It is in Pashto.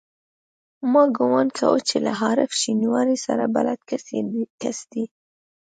ما ګومان کاوه چې له عارف شینواري سره بلد کس دی.